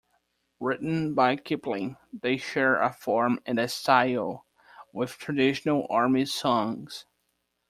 Written by Kipling, they share a form and a style with traditional Army songs.